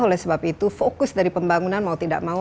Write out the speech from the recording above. oleh sebab itu fokus dari pembangunan mau tidak mau